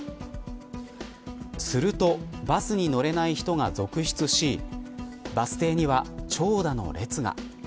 するとバスに乗れない人が続出しバス停には、長蛇の列が。